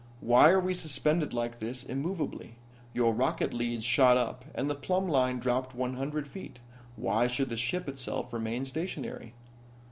Why are we suspended like this, immovably? Your rocket leads shot up, and the plumb line dropped one hundred feet. Why should the ship itself remain stationary?"